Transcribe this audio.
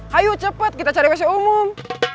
hayu cepet kita cari wc umum